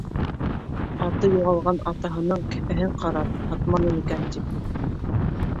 Аты юғалған атаһының кеҫәһен ҡарар һатманы микән тип.